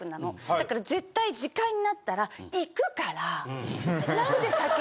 だから絶対時間になったら行くから。